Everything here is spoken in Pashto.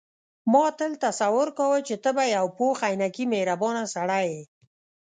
ما تل تصور کاوه چې ته به یو پوخ عینکي مهربانه سړی یې.